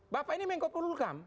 bapak ini menko purulkam